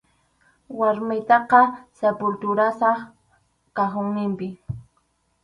Warmiytaqa sepulturasaq cajonpi.